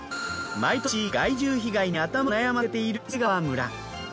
毎年害獣被害に頭を悩ませている野佐川村。